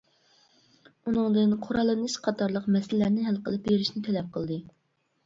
ئۇنىڭدىن قوراللىنىش قاتارلىق مەسىلىلەرنى ھەل قىلىپ بېرىشنى تەلەپ قىلدى.